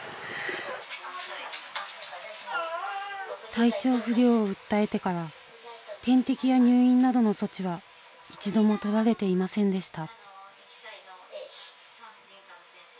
体調不良を訴えてから点滴や入院などの措置は一度もとられていませんでした。